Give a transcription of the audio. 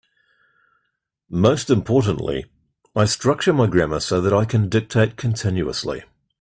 Most importantly, I structure my grammar so that I can dictate continuously.